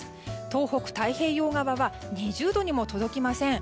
東北、太平洋側は２０度にも届きません。